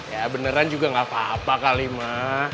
ya beneran juga gak apa apa kali ma